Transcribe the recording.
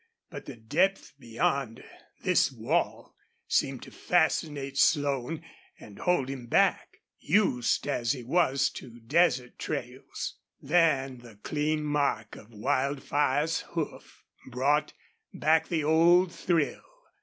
But the depth beyond this wall seemed to fascinate Slone and hold him back, used as he was to desert trails. Then the clean mark of Wildfire's hoof brought back the old thrill.